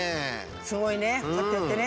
すごいねこうやってやってね。